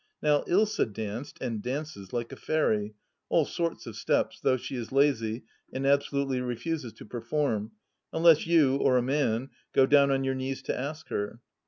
Now Ilsa danced, and dances, like a fairy, all sorts of steps, though she is lazy and absolutely refuses to perform, unless you — or a man — go down on your knees to ask her.